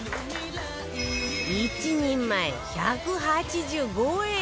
１人前１８５円